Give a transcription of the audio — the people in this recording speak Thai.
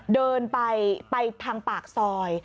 เดินไปทางปากซอย